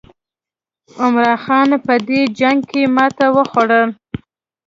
عمرا خان په دې جنګ کې ماته وخوړه.